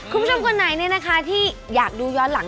คุณผู้ชมคนไหนเนี่ยนะคะที่อยากดูย้อนหลัง